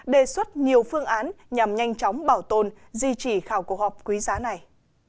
đề xuất nhiều phương án nhằm nhanh chóng bảo tồn di chỉ khảo cổ học quý giá này